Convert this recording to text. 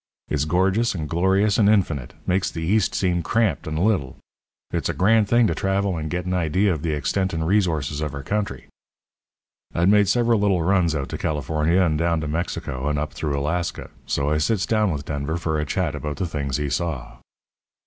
It's gorgeous and glorious and infinite. Makes the East seemed cramped and little. It's a grand thing to travel and get an idea of the extent and resources of our country.' "I'd made several little runs out to California and down to Mexico and up through Alaska, so I sits down with Denver for a chat about the things he saw.